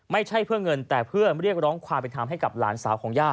ไม่ใช่เพื่อเงินแต่เพื่อเรียกร้องความเป็นธรรมให้กับหลานสาวของย่า